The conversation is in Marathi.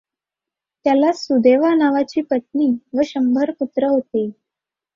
त्याला सुदेवा नावाची पत्नी व शंभर पुत्र होते.